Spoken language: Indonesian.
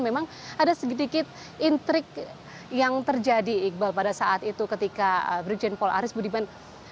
memang ada sedikit intrik yang terjadi iqbal pada saat itu ketika brigjen paul aris budiman